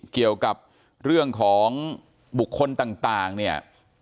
เกี่ยวกับเรื่องของบุคคลต่างเนี่ย